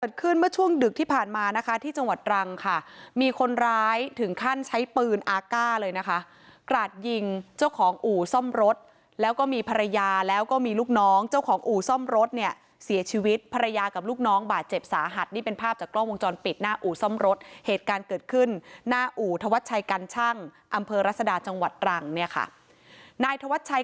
เกิดขึ้นเมื่อช่วงดึกที่ผ่านมานะคะที่จังหวัดรังค่ะมีคนร้ายถึงขั้นใช้ปืนอากาศเลยนะคะกราดยิงเจ้าของอู่ซ่อมรถแล้วก็มีภรรยาแล้วก็มีลูกน้องเจ้าของอู่ซ่อมรถเนี่ยเสียชีวิตภรรยากับลูกน้องบาดเจ็บสาหัสนี่เป็นภาพจากกล้องวงจรปิดหน้าอู่ซ่อมรถเหตุการณ์เกิดขึ้นหน้าอู่ธวัชชัยกันชั่งอำเภอรัศดาจังหวัดตรังเนี่ยค่ะนายธวัชชัย